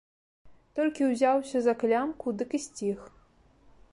Толькі ўзяўся за клямку, дык і сціх.